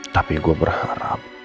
tapi gua berharap